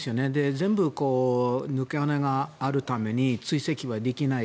全部、抜け穴があるために追跡はできない。